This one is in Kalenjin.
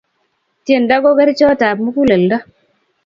Tyendo ko kerichot ap muguleldo